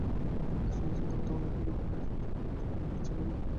ভারতে দার্শনিক চিন্তা বর্তমানে কিরূপ ক্রিয়াশীল, তাহার কিছু জানিতে ইচ্ছা করি।